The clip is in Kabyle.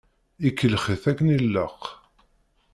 Ikellex-it akken i ilaq.